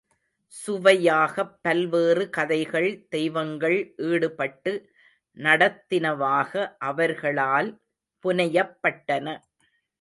சுவையாகப் பல்வேறு கதைகள் தெய்வங்கள் ஈடுபட்டு நடத்தினவாக அவர்களால் புனையப்பட்டன.